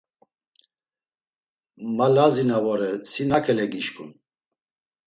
Ma Lazi na vore si nakele gişǩun?